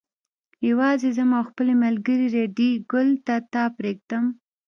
یوازې ځم او خپل ملګری ریډي ګل تا ته پرېږدم.